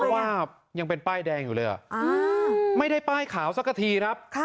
เพราะว่ายังเป็นป้ายแดงอยู่เลยไม่ได้ป้ายขาวสักทีครับ